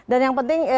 dan yang penting